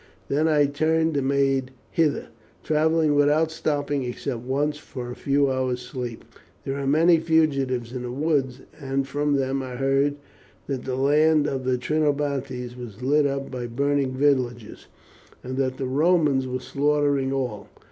Then I turned and made hither, travelling without stopping, except once for a few hours' sleep. There are many fugitives in the woods, and from them I heard that the land of the Trinobantes was lit up by burning villages, and that the Romans were slaughtering all.